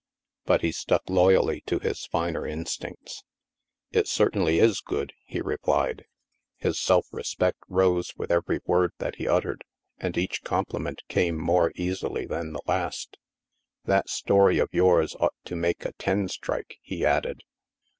But he stuck loyally to his finer instincts. " It certainly is good," he replied. His self re 28o THE MASK sped rose with every word that he uttered, and each compliment came more easily than the last " That story of yours ought to make a ten strike," he added.